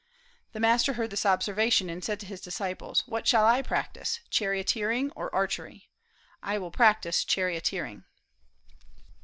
The master heard this observation, and said to his disciples: 'What shall I practise, charioteering or archery? I will practise charioteering.'"